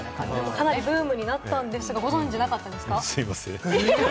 かなりブームになりましたが、ご存じなかったですか？